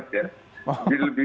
benar juga sih ya